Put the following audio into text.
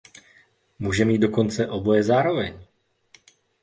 Může mít dokonce oboje zároveň.